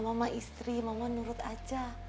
mama istri mama nurut aja